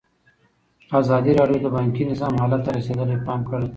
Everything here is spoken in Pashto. ازادي راډیو د بانکي نظام حالت ته رسېدلي پام کړی.